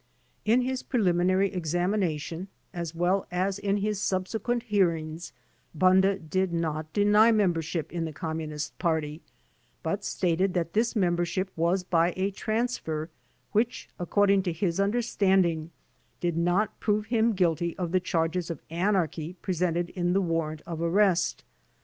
In his preliminary examination as well as in his subse quent hearings Bunda did not deny membership in the Communist Party, but stated that this membership was by a transfer which, according to his understanding, did 34 THE DEPORTATION CASES not prove him guilty of the charges of anarchy presented in the warrant of arrest.